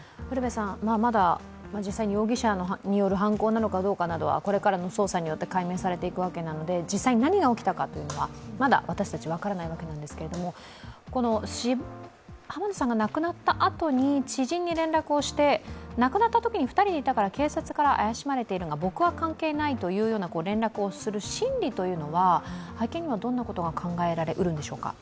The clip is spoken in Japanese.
まだ実際に容疑者による犯行なのかどうかはこれからの捜査によって明らかになるんですが実際に何が起きたかというのはまだ私たち分からないわけなんですけども濱野さんが亡くなったあとに知人に連絡をして亡くなったときに２人でいたから警察から怪しまれているけど、僕は関係ないという心理というのは、背景にはどんなことが考えうるのでしょうか。